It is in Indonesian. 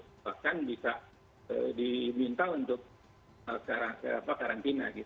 jadi itu kan bisa diminta untuk karantina